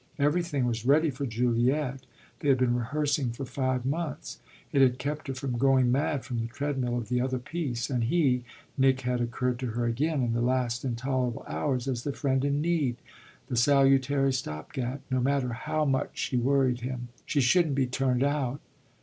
Everything was ready for Juliet; they had been rehearsing for five months it had kept her from going mad from the treadmill of the other piece and he, Nick, had occurred to her again, in the last intolerable hours, as the friend in need, the salutary stop gap, no matter how much she worried him. She shouldn't be turned out?